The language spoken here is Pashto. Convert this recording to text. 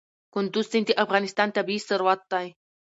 کندز سیند د افغانستان طبعي ثروت دی.